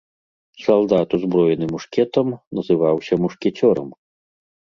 Салдат, узброены мушкетам, называўся мушкецёрам.